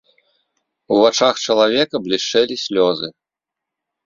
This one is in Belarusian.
У вачах чалавека блішчэлі слёзы.